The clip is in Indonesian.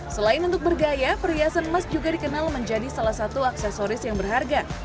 selain untuk bergaya perhiasan emas juga dikenal menjadi salah satu aksesoris yang berharga